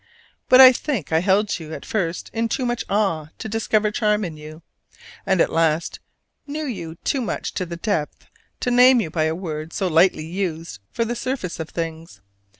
But I think I held you at first in too much awe to discover charm in you: and at last knew you too much to the depths to name you by a word so lightly used for the surface of things.